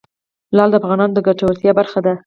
لعل د افغانانو د ګټورتیا برخه ده.